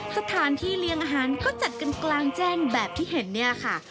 สถานที่เลี้ยงอาหารเขาจัดกันกลางแจ้งแบบที่เห็นเนี่ยค่ะ